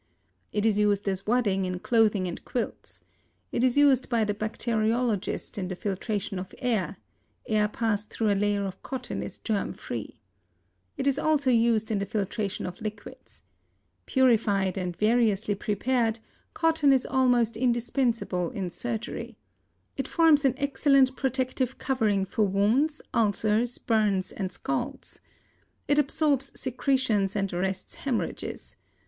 It is used as wadding in clothing and quilts. It is used by the bacteriologist in the filtration of air; air passed through a layer of cotton is germ free. It is also used in the filtration of liquids. Purified and variously prepared, cotton is almost indispensable in surgery. It forms an excellent protective covering for wounds, ulcers, burns and scalds. It absorbs secretions and arrests hemorrhages.